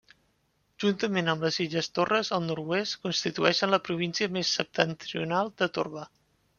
Juntament amb les Illes Torres al nord-oest, constitueixen la província més septentrional de Torba.